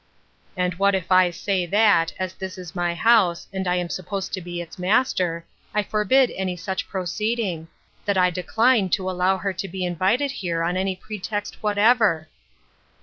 " And what if I say that, as this is my house, and I am supposed to be its master, I forbid any such proceeding ; that I decline to allow her to be invited here on any pretext whatever